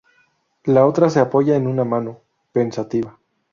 La otra se apoya en una mano, pensativa.